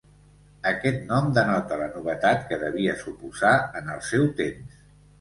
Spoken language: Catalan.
Aquest nom denota la novetat que devia suposar en el seu temps.